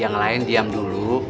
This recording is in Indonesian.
yang lain diam dulu